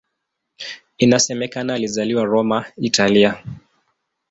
Inasemekana alizaliwa Roma, Italia.